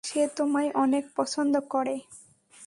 সে তোমায় অনেক পছন্দ করে।